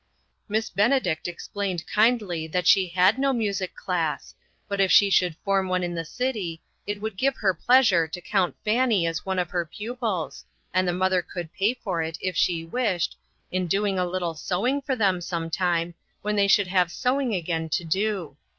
Miss Benedict explained kindly that she had no music class, but if she should form one in the city, it would give her pleasure to count Fanny as one of her pupils, and the mother could pay for it, if she wished, in doing a little sewing for them some time, when they should have sewing again to do.